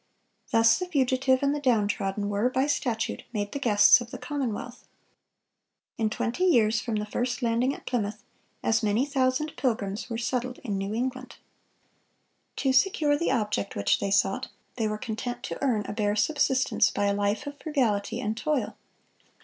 Thus the fugitive and the downtrodden were, by statute, made the guests of the commonwealth."(447) In twenty years from the first landing at Plymouth, as many thousand Pilgrims were settled in New England. To secure the object which they sought, "they were content to earn a bare subsistence by a life of frugality and toil.